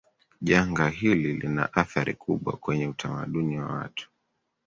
janga hili lina athari kubwa kwwnye utamaduni wa watu